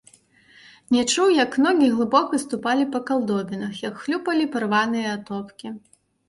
Не чуў, як ногі глыбока ступалі па калдобінах, як хлюпалі парваныя атопкі.